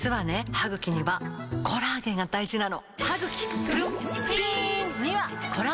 歯ぐきにはコラーゲンが大事なの！